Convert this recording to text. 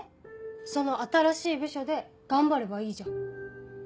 その新しい部署で頑張ればいいじゃん。